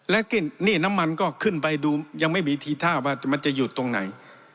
และนี่น้ำมันก็ขึ้นไปดูยังไม่มีทีท่าว่ามันจะอยู่ตรงไหน